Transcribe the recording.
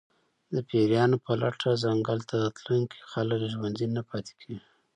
د پېریانو په لټه ځنګل ته تلونکي خلک ژوندي نه پاتې کېږي.